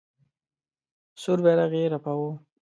سور بیرغ یې رپاوه.